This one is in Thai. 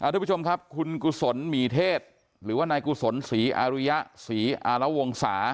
ทุกผู้ชมครับคุณกุศลหมีเทศหรือว่านายกุศลศรีอาริยะศรีอารวงศา